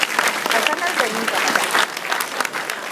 Ka sanar da ni game da hakan.